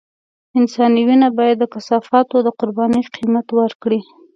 انساني وينه بايد د کثافاتو د قربانۍ قيمت ورکړي.